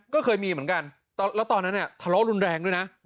ก็เคยมีเหมือนกันแล้วตอนนั้นเนี่ยทะเลาะรุนแรงด้วยนะ